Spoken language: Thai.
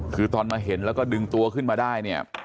คือตอนมาเห็นแล้วก็ดึงตัวขึ้นมาได้เนี่ย